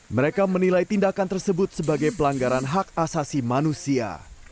mereka menilai tindakan tersebut sebagai pelanggaran hak asasi manusia